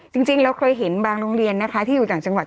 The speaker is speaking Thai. จริงจริงเราเคยเห็นบางโรงเรียนที่อยู่ฐานจังหวัด